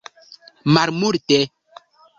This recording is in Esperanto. Malmulte